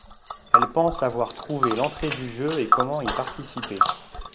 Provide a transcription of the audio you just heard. Elle pense avoir trouvé l'entrée du jeu et comment y participer.